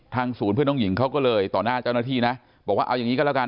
ศูนย์เพื่อนน้องหญิงเขาก็เลยต่อหน้าเจ้าหน้าที่นะบอกว่าเอาอย่างนี้ก็แล้วกัน